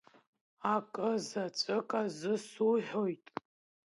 Акы заҵәык азы суҳәоит…